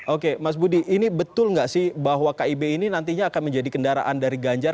oke mas budi ini betul nggak sih bahwa kib ini nantinya akan menjadi kendaraan dari ganjar